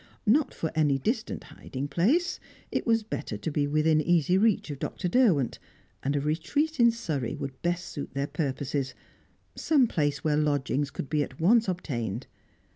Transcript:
Not for any distant hiding place; it was better to be within easy reach of Dr. Derwent, and a retreat in Surrey would best suit their purposes, some place where lodgings could be at once obtained.